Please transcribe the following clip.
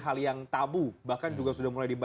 hal yang tabu bahkan juga sudah mulai